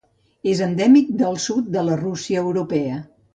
És endèmic del sud de la Rússia Europea.